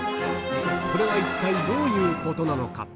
これは一体どういうことなのか。